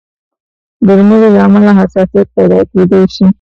د درملو له امله حساسیت پیدا کېدای شي.